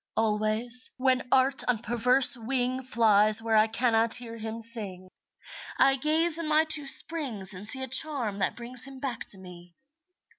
Always, when Art on perverse wing Flies where I cannot hear him sing, I gaze in my two springs and see A charm that brings him back to me.